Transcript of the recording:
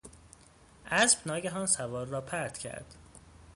اسب ناگهان سوار را پرت کرد.